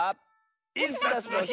「イスダスのひ」